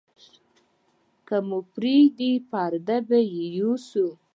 که مو پرېښوده، پردي به یې یوسي.